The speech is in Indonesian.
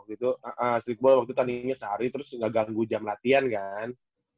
streetball waktu itu tandingnya sehari terus gak ganggu jam latihan kan